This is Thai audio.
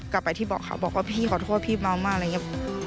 กลับไปที่เบาะเขาบอกว่าพี่ขอโทษพี่เมามากอะไรอย่างนี้